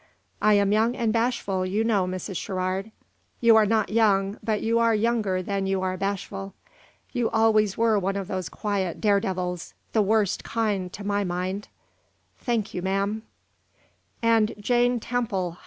"I am young and bashful, you know, Mrs. Sherrard." "You are not young, but you are younger than you are bashful. You always were one of those quiet dare devils the worst kind, to my mind." "Thank you, ma'am." "And Jane Temple ha!